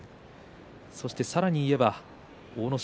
そしてさらに言えば阿武咲